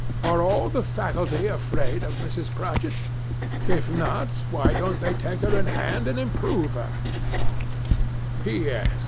Are all the faculty afraid of Mrs. Prodgit 1 If not, why don't they take her in hand and improve her 1 P. S.